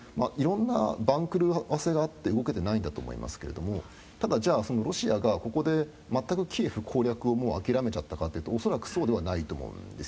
いろんな番狂わせがあって動けていないんだと思いますがただ、じゃあロシアがここで全くキエフ攻略をもう諦めちゃったかというと恐らくそうではないと。